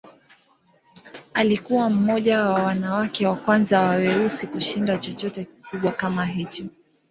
Alikuwa mmoja wa wanawake wa kwanza wa weusi kushinda chochote kikubwa kama hicho.